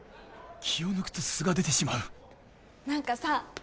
気を抜くと素が出てしまう何かさ